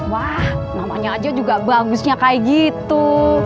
wah namanya aja juga bagusnya kayak gitu